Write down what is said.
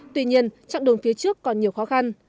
tuy nhiên trạng đường phía trước còn nhiều khó khăn